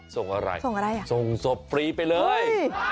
ส่งอะไรส่งสมฟรีไปเลย